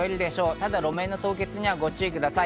ただ路面の凍結にはご注意ください。